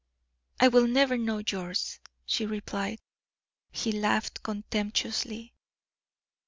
"I will never know yours," she replied. He laughed contemptuously.